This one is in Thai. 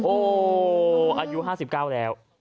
โอ้โหอายุ๕๙แล้ว